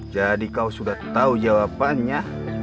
jadi kau sudah tau jawabannya